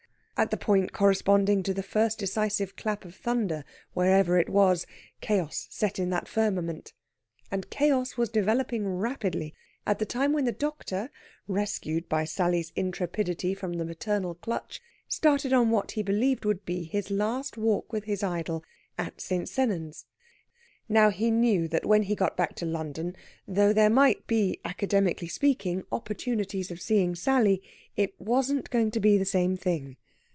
At the point corresponding to the first decisive clap of thunder wherever it was Chaos set in in that firmament. And Chaos was developing rapidly at the time when the doctor, rescued by Sally's intrepidity from the maternal clutch, started on what he believed would be his last walk with his idol at St. Sennans. Now he knew that, when he got back to London, though there might be, academically speaking, opportunities of seeing Sally, it wasn't going to be the same thing.